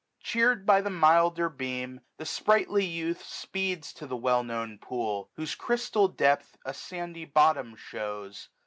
Chear'd by the milder beam, the sprightly youth Speeds to the well known pool, whose crystal depth A sandy bottom shews.